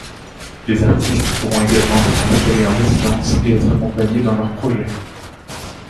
Les artistes pourront également s’y installer en résidence et être accompagnés dans leurs projets.